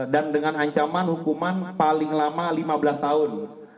dan dengan ancaman hukuman paling lama lima belas tahun